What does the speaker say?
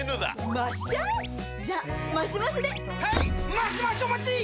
マシマシお待ちっ！！